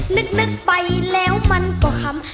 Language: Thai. นึกไปแล้วมันก็คำ